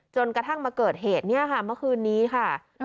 จนกระทั่งมาเกิดเหตุเมื่อคืนนี้ค่ะ